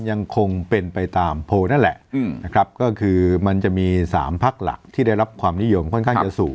ยังคงเป็นไปตามโพลนั่นแหละนะครับก็คือมันจะมี๓พักหลักที่ได้รับความนิยมค่อนข้างจะสูง